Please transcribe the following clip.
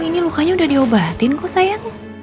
oh ini lukanya udah diobatin kok sayang